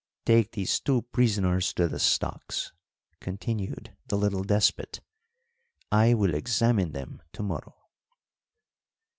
"Take these two prisoners to the stocks," continued the little despot. "I will examine them to morrow."